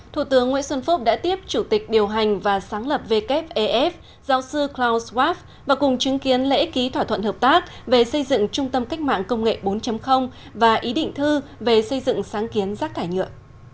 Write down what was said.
thủ tướng nguyễn xuân phúc đã tiếp chủ tịch điều hành và sáng lập wef giáo sư klaus waff và cùng chứng kiến lễ ký thỏa thuận hợp tác về xây dựng trung tâm cách mạng công nghệ bốn và ý định thư về xây dựng sáng kiến rác thải nhựa